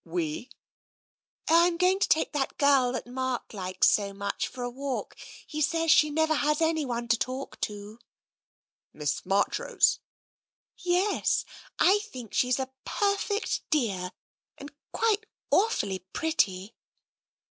"We?" " Oh, I'm going to take that girl that Mark likes so much for a walk. He says she never has anyone to talk to." " Miss Marchrose ?"" Yes, I think she's a perfect dear, and quite awfully pretty."